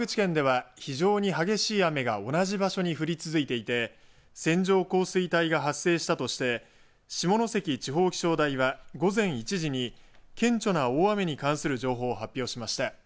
中国地方では大気が不安定な状態が続いていて山口県では非常に激しい雨が同じ場所に降り続いていて線状降水帯が発生したとして下関地方気象台は午前１時に顕著な大雨に関する情報を発表しました。